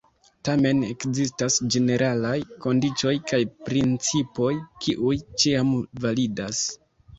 Tamen ekzistas ĝeneralaj kondiĉoj kaj principoj, kiuj ĉiam validas.